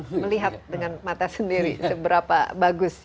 kita akan lihat dengan mata sendiri seberapa bagus